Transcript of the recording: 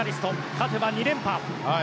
勝てば２連覇。